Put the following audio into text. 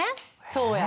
そうや。